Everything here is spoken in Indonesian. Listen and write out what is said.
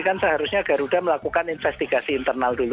kan seharusnya garuda melakukan investigasi internal dulu